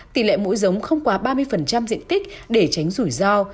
tỷ lệ mũi giống không quá ba mươi diện tích để tránh rủi ro